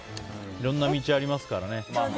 いろいろな道ありますからね。